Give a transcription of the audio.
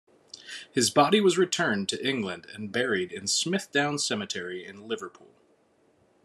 His body was returned to England, and buried in Smithdown Cemetery in Liverpool.